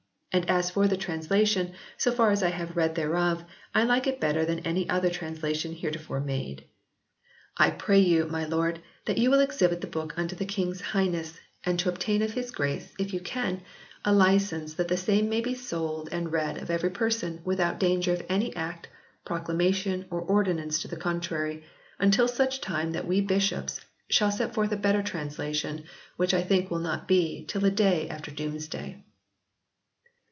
And as for the translation, so far as I have read thereof, I like it better than any other translation heretofore made.... I pray you, my Lord, that you will exhibit the book unto the King s high iv] COVERDALE S BIBLE 61 ness, and to obtain of his grace, if you can, a license that the same may be sold and read of every person, without danger of any act, proclamation or ordinance to the contrary, until such time that we bishops shall set forth a better translation which I think will not be till a day after doomsday."